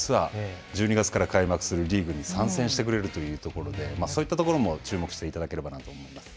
実は１２月から開幕するリーグに参戦してくれるというところで、そういったところも注目してほしいと思います。